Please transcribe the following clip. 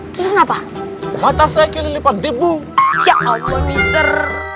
kenapa mata saya kiri lipat dibu ya allah mister